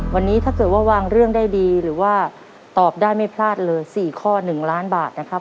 วันนี้ถ้าเกิดว่าวางเรื่องได้ดีหรือว่าตอบได้ไม่พลาดเลย๔ข้อ๑ล้านบาทนะครับ